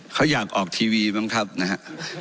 เขาอยากออกทีวีบ้างครับนะฮะ